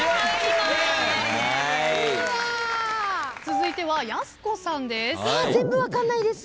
続いてはやす子さんです。